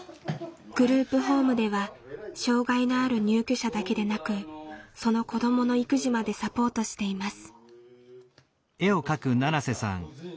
グループホームでは障害のある入居者だけでなくその子どもの育児までサポートしています。